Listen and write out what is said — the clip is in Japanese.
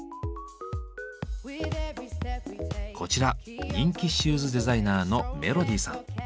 こちら人気シューズデザイナーのメロディさん。